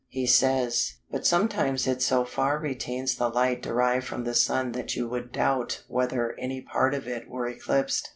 He says, "but sometimes it so far retains the light derived from the Sun that you would doubt whether any part of it were eclipsed."